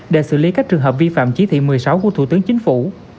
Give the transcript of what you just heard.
để xử lý các trường hợp vi phạm chỉ thị một mươi sáu của thủ tướng chính phủ